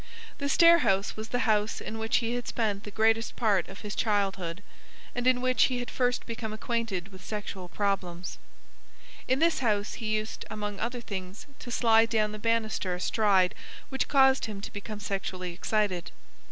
The stair house was the house in which he had spent the greatest part of his childhood, and in which he had first become acquainted with sexual problems. In this house he used, among other things, to slide down the banister astride which caused him to become sexually excited.